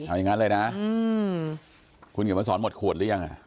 เอาอย่างนั้นเลยนะคุณเขียนมาสอนหมดขวดหรือยัง